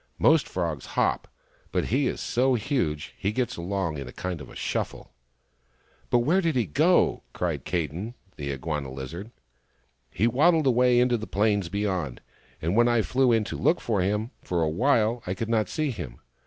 Most frogs hop, but he is so huge that he gets along in a kind of shuffle." " But where did he go ?" cried Kadin, the Inguana lizard. " He waddled away into the plains beyond, and when I flew in to look for him, for awhile I could not find him.